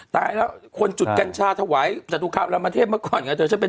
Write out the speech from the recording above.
ตายแล้วคนจุดกัญชาถวายจัตุคราวรามเทพเมื่อก่อน